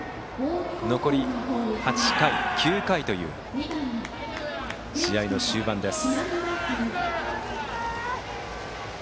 残りは８回、９回という試合の終盤です。